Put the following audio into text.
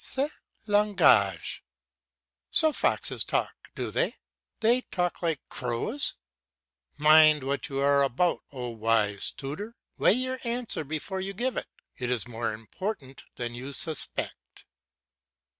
"Ce langage." So foxes talk, do they! They talk like crows! Mind what you are about, oh, wise tutor; weigh your answer before you give it, it is more important than you suspect.